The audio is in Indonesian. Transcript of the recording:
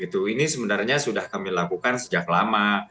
ini sebenarnya sudah kami lakukan sejak lama